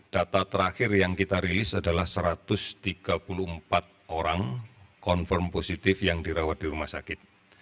data terakhir yang kita rilis adalah satu ratus tiga puluh empat orang confirm positif yang dirawat di rumah sakit